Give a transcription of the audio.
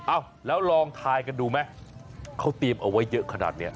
อ้าวแล้วลองทายกันดูไหมเขาเตรียมเอาไว้เยอะขนาดนี้